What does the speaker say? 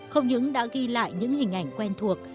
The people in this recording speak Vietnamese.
không những đã ghi lại những hình ảnh quen thuộc